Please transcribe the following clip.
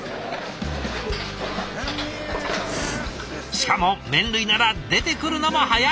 しかも麺類なら出てくるのも早い！